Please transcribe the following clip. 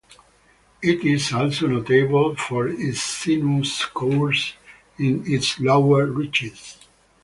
It is also notable for its sinuous course in its lower reaches.